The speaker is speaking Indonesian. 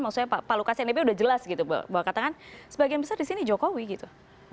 maksudnya pak lukas nmb udah jelas gitu bahwa katakan sebagian besar di sini jokowi gitu